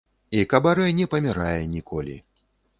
І кабарэ не памірае ніколі.